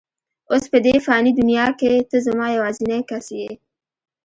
اوس په دې فاني دنیا کې ته زما یوازینۍ کس یې.